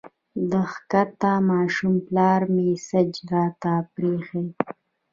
د ښکته ماشوم پلار مسېج راته پرېښی